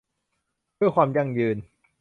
เพื่อความยั่งยืน